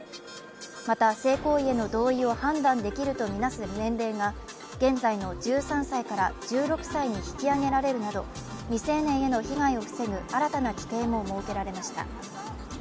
また性行為への同意を判断できるとみなす年齢が現在の１３歳から１６歳に引き上げられるなど、未成年への被害を防ぐ新たな規定も設けられました。